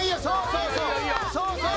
そうそうそう！